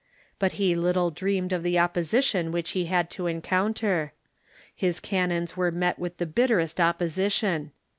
But he little dreamed of the opposition which he had to encounter. His canons were met with the bitterest opposition.